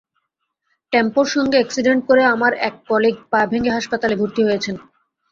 টেম্পোর সঙ্গে অ্যাকসিডেন্ট করে আমার এক কলিগ পা ভেঙে হাসপাতালে ভর্তি হয়েছেন।